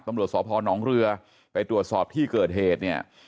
ตำรวจสพนเรือไปตรวจสอบที่เกิดเหตุเนี่ย